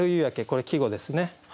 これ季語ですね